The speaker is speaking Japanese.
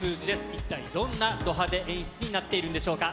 一体どんなド派手演出になっているんでしょうか。